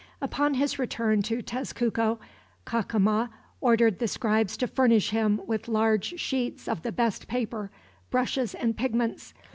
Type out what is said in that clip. Upon his return to Tezcuco, Cacama ordered the scribes to furnish him with large sheets of the best paper, brushes, and pigments.